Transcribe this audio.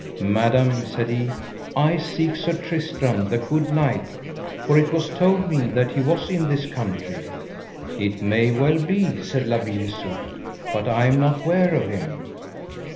Madam, said he, I seek Sir Tristram the good knight, for it was told me that he was in this country. It may well be, said La Beale Isoud, but I am not ware of him.